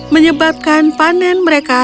menyebabkan panen mereka